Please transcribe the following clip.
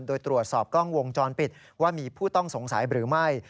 โดยตรวจสอบกล้องวงจรปิดว่ามีผู้ต้องสงสัยหรือไม่